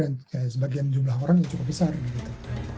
sebagian jumlah orang yang cukup besar gitu